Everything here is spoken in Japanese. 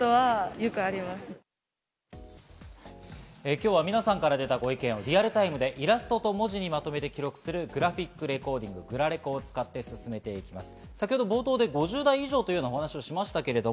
今日は皆さんから出たご意見をリアルタイムでイラストと文字にまとめて記録するグラフィックレコーディング、グラレコを使って進めてきます。